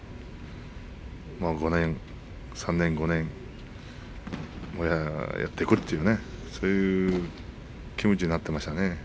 もう３年５年そういう日がやってくるとそういう気持ちになっていきましたね。